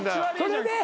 それで？